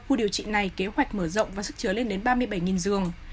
khu điều trị này kế hoạch mở rộng và sức chứa lên đến ba mươi bảy giường